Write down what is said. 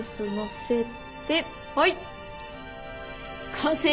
完成！